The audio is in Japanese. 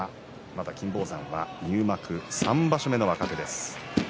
金峰山は入幕３場所目の若手です。